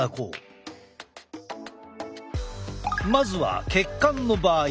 まずは血管の場合。